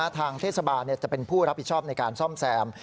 ทางเทศบาลจะเป็นผู้รับผิดชอบในการซ่อมแซม